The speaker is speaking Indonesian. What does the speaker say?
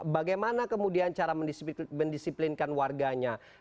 bagaimana kemudian cara mendisiplinkan warganya